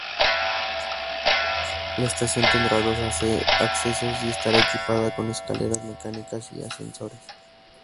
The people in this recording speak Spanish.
La estación tendrá dos accesos y estará equipada con escaleras mecánicas y ascensores.